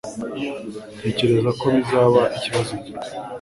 Ntekereza ko bizaba ikibazo gito